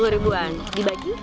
lima puluh ribuan dibagi